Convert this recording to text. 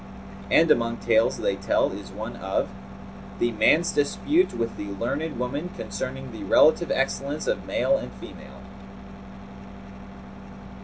And among tales they tell is one of THE MAN'S DISPUTE WITH THE LEARNED WOMAN CONCERNING THE RELATIVE EXCELLENCE OF MALE AND FEMALE.